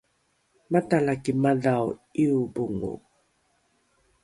matalaki madhao ’iobongo